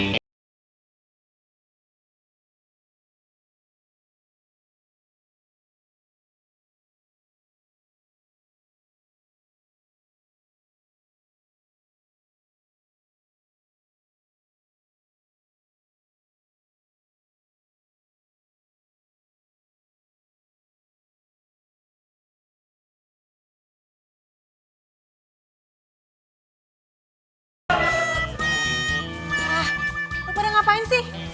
wah lo pada ngapain sih